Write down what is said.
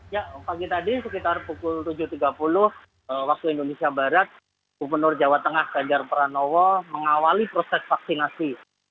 ya pagi tadi sekitar pukul tujuh tiga puluh waktu indonesia barat gubernur jawa tengah ganjar pranowo mengawali proses vaksinasi